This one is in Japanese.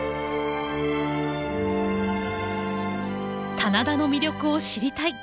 棚田の魅力を知りたい。